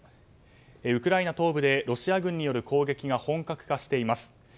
ウクライナ東部でロシア軍による攻撃が本格化しています。